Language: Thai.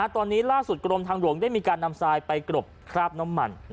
ตอนนี้ล่าสุดกรมทางหลวงได้มีการนำทรายไปกรบคราบน้ำมัน